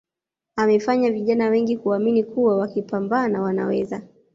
amefanya vijana wengi kuamini kuwa wakipambana Wanaweza